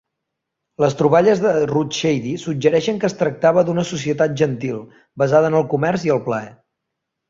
Les troballes de Ruth Shady suggereixen que es tractava d'una societat gentil, basada en el comerç i el plaer.